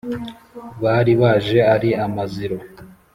bari baje ari amaziro